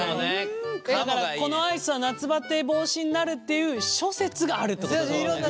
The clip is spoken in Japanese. このアイスは夏バテ防止になるっていう諸説があるってこと。